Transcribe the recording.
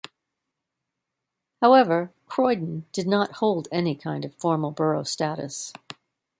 However, Croydon did not hold any kind of formal borough status.